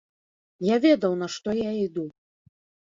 Я ведаў, на што я іду.